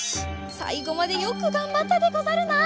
さいごまでよくがんばったでござるな。